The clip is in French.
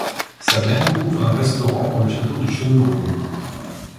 Sa mère ouvre un restaurant dans le château de Schönbrunn.